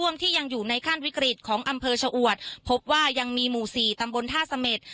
ที่ยังอยู่ในขั้นวิกฤตของอำเภอชะอวดพบว่ายังมีหมู่สี่ตำบลท่าเสม็ด